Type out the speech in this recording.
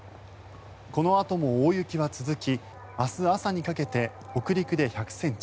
このあとも大雪は続き明日朝にかけて北陸で１００ｃｍ